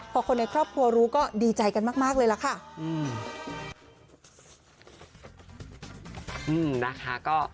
พอคนในครอบครัวรู้ก็ดีใจกันมากเลยล่ะค่ะ